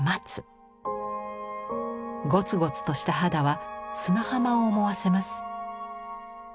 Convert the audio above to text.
ゴツゴツとした肌は砂浜を思わせます。